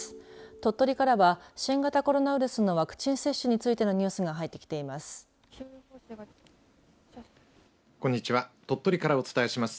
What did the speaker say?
鳥取からは新型コロナウイルスのワクチン接種についてのニュースが入ってきています。